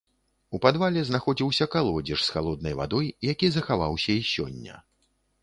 У падвале знаходзіўся калодзеж з халоднай вадой, які захаваўся і сёння.